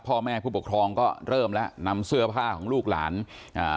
พ่อแม่ผู้ปกครองก็เริ่มแล้วนำเสื้อผ้าของลูกหลานอ่า